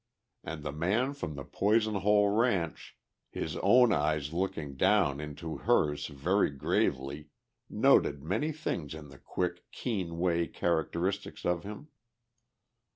And the man from the Poison Hole ranch, his own eyes looking down into hers very gravely, noted many things in the quick, keen way characteristic of him.